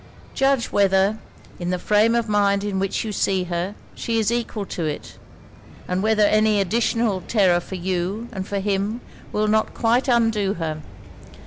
Judge whether, in the frame of mind in which you see her, she is equal to it; and whether any additional terror for you and for him will not quite undo her.